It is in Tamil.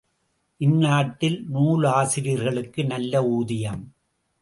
இந்நாட்டில் நூலாசிரியர்களுக்கு நல்ல ஊதியம்.